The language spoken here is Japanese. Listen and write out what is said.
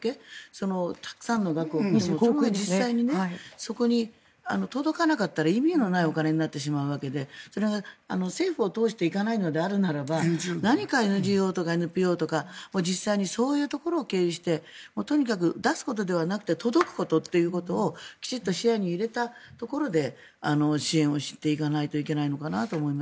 そのたくさんの額を実際にそこに届かなかったら意味のないお金になってしまうわけでそれは政府を通して行かないのであるならば何かＮＧＯとかＮＰＯとかそういうところを経由してとにかく出すことではなくて届くことというのをきちんと視野に入れたところで支援をしていかないといけないのかなと思います。